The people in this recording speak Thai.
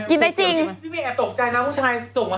กินได้จริง